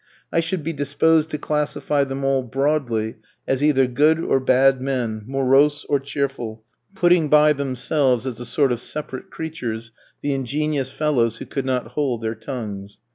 I should be disposed to classify them all broadly, as either good or bad men, morose or cheerful, putting by themselves, as a sort of separate creatures, the ingenious fellows who could not hold their tongues.